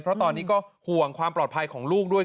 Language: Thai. เพราะตอนนี้ก็ห่วงความปลอดภัยของลูกด้วย